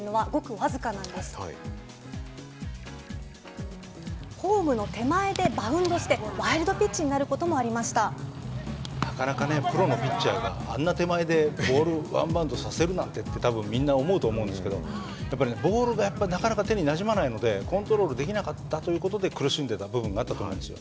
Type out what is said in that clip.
なかなかねプロのピッチャーがあんな手前でボールをワンバウンドさせるなんてって多分みんな思うと思うんですけどやっぱりボールがなかなか手になじまないのでコントロールできなかったという事で苦しんでた部分があったと思うんですよ。